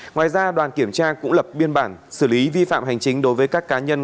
ngoài ra đoàn kiểm tra cũng lập biên bản xử lý vi phạm hành chính đối với các cá nhân